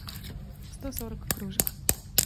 сто сорок кружек